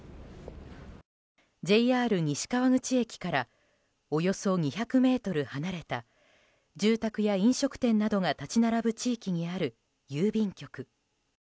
ＪＲ西川口駅からおよそ２００ｍ離れた住宅や飲食店などが立ち並ぶ地域にある郵便局。